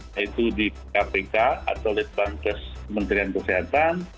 yaitu di kpk atau di pancas kementerian kesehatan